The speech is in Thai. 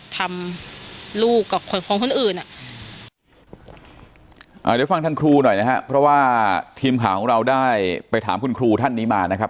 กูยอมแล้วก็ว่าทางครูอะตีเกินกว่าเหตุจริง